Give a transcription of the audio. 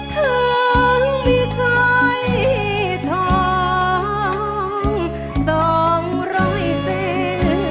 เธอมีสวยทองสองร้อยเซน